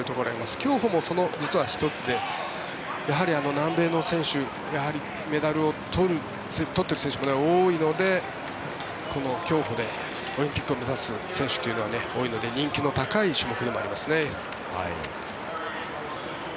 競歩も実はその１つで南米の選手やはりメダルを取っている選手が多いのでこの競歩でオリンピックを目指す選手というのは多いので人気の高い種目でもありますね。